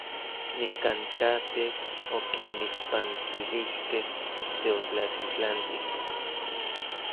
Nikankatej okinmixpantilijkej teotlatitlantij.